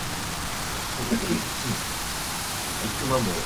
There was no singular universe or line.